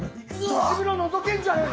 女子風呂のぞけんじゃねえか？